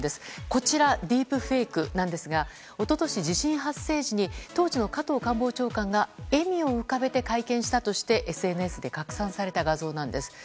こちらディープフェイクなんですが一昨年、地震発生時に当時の加藤官房長官が笑みを浮かべて会見したとしてＳＮＳで拡散された画像なんです。